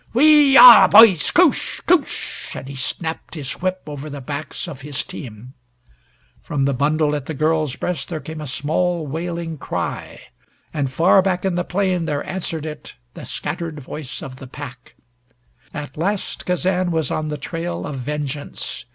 Wee ah h h h, boys! Koosh koosh " and he snapped his whip over the backs of his team. From the bundle at the girl's breast there came a small wailing cry. And far back in the plain there answered it the scattered voice of the pack. At last Kazan was on the trail of vengeance.